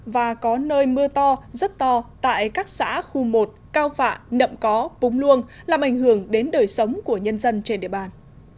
và có nơi mưa to rất to tại các xã khu một cao phạ nậm có búng luông làm ảnh hưởng đến đời sống của nhân dân trên địa bàn